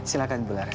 silahkan bu laras